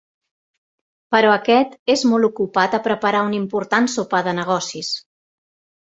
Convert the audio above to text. Però aquest és molt ocupat a preparar un important sopar de negocis.